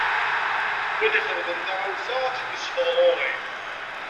Win ixedmen taɣawsa, ad tt-id-isfeḍ ɣuṛ-i.